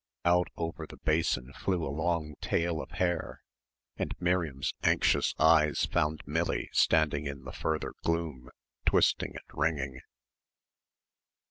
Out over the basin flew a long tail of hair and Miriam's anxious eyes found Millie standing in the further gloom twisting and wringing.